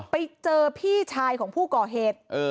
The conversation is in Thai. ไปเจอพี่ชายของผู้ก่อเหตุ